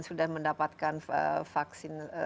sudah mendapatkan vaksin